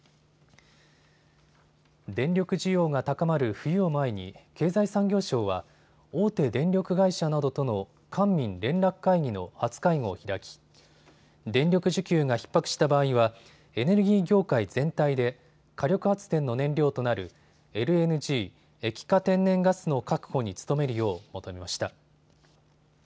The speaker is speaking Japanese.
電力需要が高まる冬を前に経済産業省は大手電力会社などとの官民連絡会議の初会合を開き電力需給がひっ迫した場合はエネルギー業界全体で火力発電の燃料となるＬＮＧ・液化天然ガスの確保に努めるよう求めました。